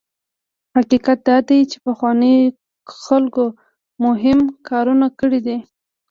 حقیقت دا دی چې پخوانیو خلکو مهم کارونه کړي دي.